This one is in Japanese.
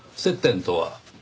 接点とは？